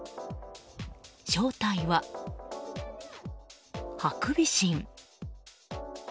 正体は、ハクビシン。